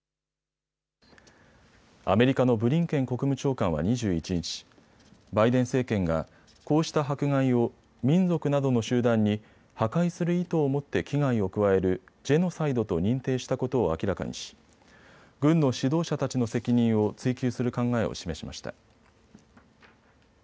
アメリカのブリンケン国務長官は２１日、バイデン政権が、こうした迫害を民族などの集団に破壊する意図を持って危害を加えるジェノサイドと認定したことを明らかにし軍の指導者たちの責任を追及する考えを示しました。